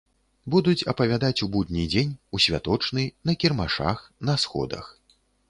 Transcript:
Будуць апавядаць у будні дзень, у святочны, на кірмашах, на сходах.